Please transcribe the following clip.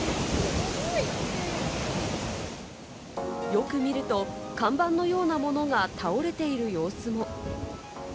よく見ると、看板のようなものが倒れている様子も。